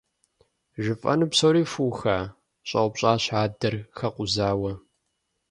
— ЖыфӀэну псори фуха? — щӀэупщӀащ адэр, хэкъузауэ.